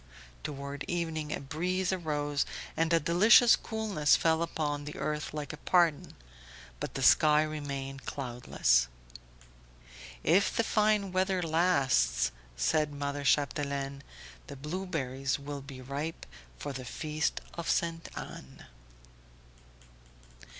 Toward evening a breeze arose and a delicious coolness fell upon the earth like a pardon. But the sky remained cloudless. "If the fine weather lasts," said mother Chapdelaine, "the blueberries will be ripe for the feast of Ste. Anne."